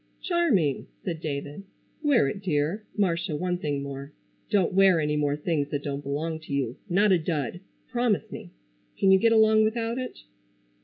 "Charming!" said David. "Wear it, dear. Marcia, one thing more. Don't wear any more things that don't belong to you. Not a Dud. Promise me? Can you get along without it?"